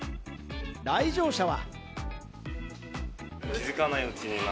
来場者は。